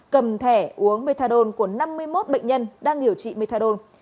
cầm thẻ uống methadone của năm mươi một bệnh nhân đang điều trị methadone